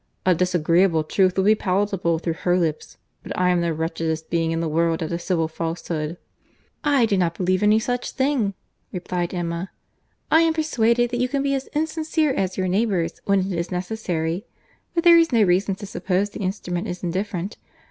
A disagreeable truth would be palatable through her lips, but I am the wretchedest being in the world at a civil falsehood." "I do not believe any such thing," replied Emma.—"I am persuaded that you can be as insincere as your neighbours, when it is necessary; but there is no reason to suppose the instrument is indifferent.